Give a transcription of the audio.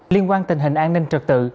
liên quan tình hình an ninh trật tự